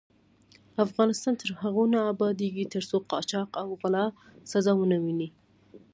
افغانستان تر هغو نه ابادیږي، ترڅو قاچاق او غلا سزا ونه ويني.